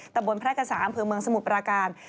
ตะบนพระอักษรอำเภอเมืองสมุทรปราการ